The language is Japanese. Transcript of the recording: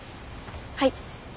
はい。